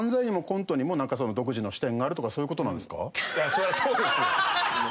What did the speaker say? それはそうですよ。